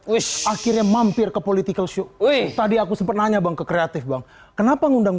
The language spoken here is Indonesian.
wiss akhirnya mampir ke politik ke shukri tadi aku sempet nanya bang ke kreatif bang kenapa ngundang